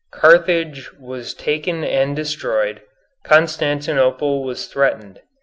Carthage was taken and destroyed, Constantinople was threatened.